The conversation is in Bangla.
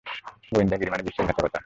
গোয়েন্দাগিরি মানে বিশ্বাসঘাতকতা।